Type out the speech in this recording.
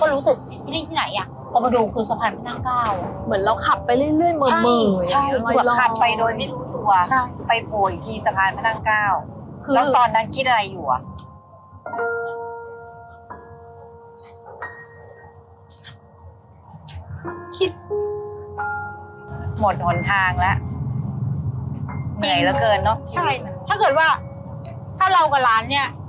คิดหมดหนทางแล้วเหนื่อยเหลือเกินเนอะใช่นะถ้าเกิดว่าถ้าเรากับร้านเนี้ย